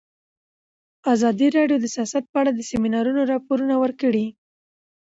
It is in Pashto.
ازادي راډیو د سیاست په اړه د سیمینارونو راپورونه ورکړي.